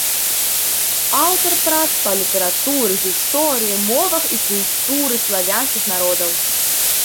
Аўтар прац па літаратуры, гісторыі, мовах і культуры славянскіх народаў.